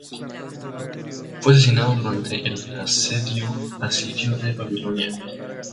Fue asesinado durante el asedio asirio de Babilonia